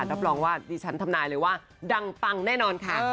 รับรองว่าดิฉันทำนายเลยว่าดังปังแน่นอนค่ะ